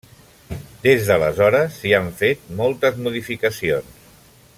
Des d'aleshores s'hi han fet moltes modificacions.